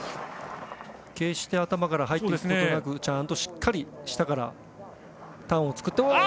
決して頭から入ることなくちゃんとしっかり下からターンを作って。